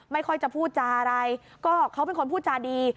ไม่ค่อยจะพูดจาอะไรก็เขาเป็นคนพูดจาดี